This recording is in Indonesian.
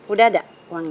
udah ada uangnya